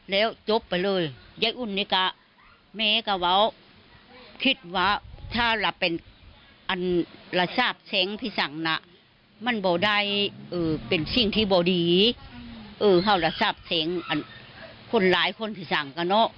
ลักษณ์ในสำมอง่ามนะนะแล้วก็เป็นการทรัพย์เสียง